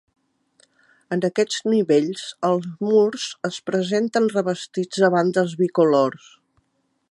En aquest nivell els murs es presenten revestits a bandes bicolors.